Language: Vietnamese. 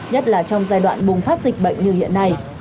nhất là trong giai đoạn bùng phát dịch bệnh như hiện nay